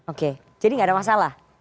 oke jadi nggak ada masalah